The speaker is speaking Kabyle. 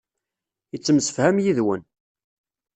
Yettemsefham yid-wen.